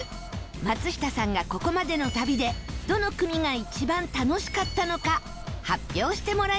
松下さんがここまでの旅でどの組が一番楽しかったのか発表してもらいましょう